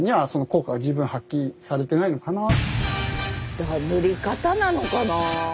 だから塗り方なのかな？